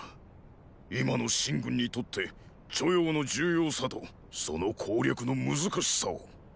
今の秦軍にとって著雍の重要さとその攻略の難しさを。